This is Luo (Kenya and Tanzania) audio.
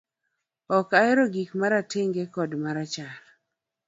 Ok ahero gik marateng kod marachar